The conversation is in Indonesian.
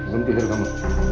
bisa tidur kamu